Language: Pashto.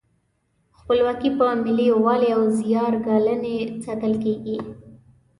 خپلواکي په ملي یووالي او زیار ګالنې ساتل کیږي.